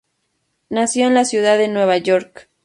Nació en la ciudad de Nueva York.